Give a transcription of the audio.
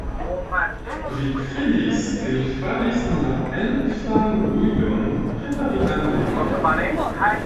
Vi kredis, ke mi falis en la enfalujon preparitan de vi.